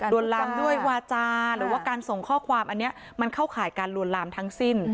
วนลามด้วยวาจาหรือว่าการส่งข้อความอันนี้มันเข้าข่ายการลวนลามทั้งสิ้น